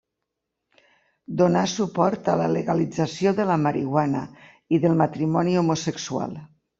Dóna suport a la legalització de la marihuana, i del matrimoni homosexual.